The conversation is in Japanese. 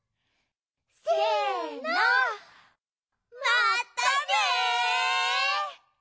せのまったね！